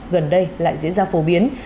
gần đây lại diễn ra phổ biến